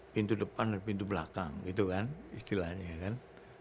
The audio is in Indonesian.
pintu depan dan pintu belakang gitu kan istilahnya kan